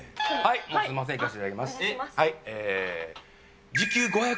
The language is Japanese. すみません、いかせていただきます。